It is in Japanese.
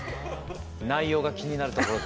内容が気になるところです。